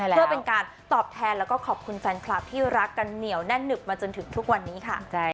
เพื่อเป็นการตอบแทนแล้วก็ขอบคุณแฟนคลับที่รักกันเหนียวแน่นหนึบมาจนถึงทุกวันนี้ค่ะ